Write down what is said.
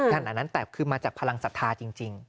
อันนั้นแต่คือมาจากพลังศรัทธาจริง